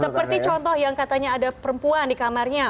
seperti contoh yang katanya ada perempuan di kamarnya